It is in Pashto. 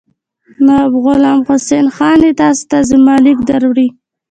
نواب غلام حسین خان چې تاسو ته زما لیک دروړي.